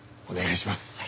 お願いします。